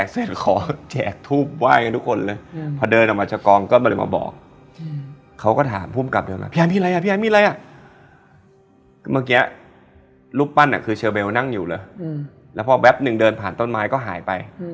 สรุปคือไปก็น่าจะไป